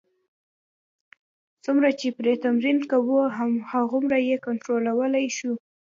څومره چې پرې تمرین کوو، هغومره یې کنټرولولای شو.